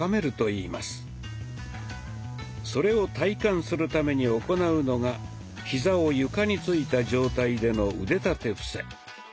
それを体感するために行うのがひざを床についた状態での腕立て伏せ。